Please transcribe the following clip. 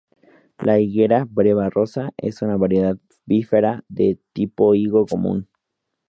La higuera 'Breva Rosa' es una variedad "bífera" de tipo higo común.